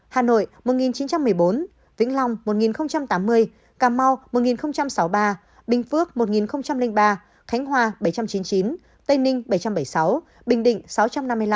hà nội một nghìn chín trăm một mươi bốn vĩnh long một nghìn tám mươi cà mau một nghìn sáu mươi ba bình phước một nghìn ba khánh hòa bảy trăm chín mươi chín tây ninh bảy trăm bảy mươi sáu bình định sáu trăm năm mươi năm